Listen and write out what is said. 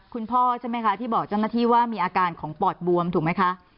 คุณพ่อใช่ไหมคะที่บอกเจ้าหน้าที่ว่ามีอาการของปอดบวมถูกไหมคะ